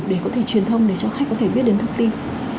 để có thể truyền thông để cho khách có thể biết đến thông tin